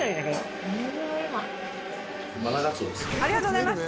ありがとうございます。